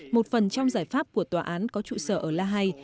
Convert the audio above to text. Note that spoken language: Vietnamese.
một phần trong giải pháp của tòa án có trụ sở ở lahai